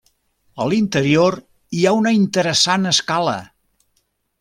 A l'interior hi ha una interessant escala.